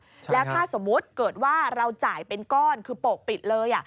แล้วถ้าสมมุติเกิดว่าเราจ่ายเป็นก้อนคือโปกปิดเลย